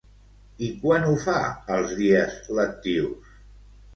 I quan ho fa els dies lectius?